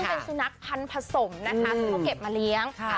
ซึ่งเป็นสื่นักพันผสมนะคะซึ่งเขาเก็บมาเลี้ยง